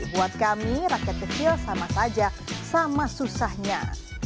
buat kami rakyat kecil sama saja sama susahnya